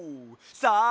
さあ